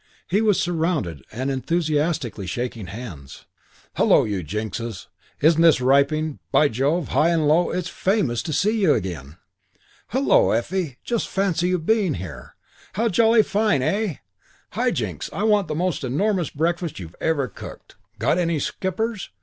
He was surrounded and enthusiastically shaking hands. "Hullo, you Jinkses! Isn't this ripping? By Jove, High and Low it's famous to see you again. Hullo, Effie! Just fancy you being here! How jolly fine, eh? High Jinks, I want the most enormous breakfast you've ever cooked. Got any kippers?